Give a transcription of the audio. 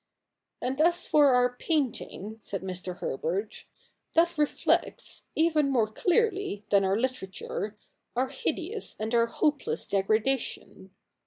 ' And as for our painting,' said Mr. Herbert, ' that reflects, even more clearly than our literature, our hideous and our hopeless degradation.